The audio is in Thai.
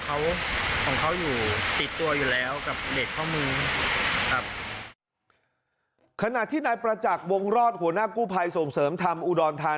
แอมนี่น่าจะมีสร้อยของเขาอยู่ติดตัวอยู่แล้ว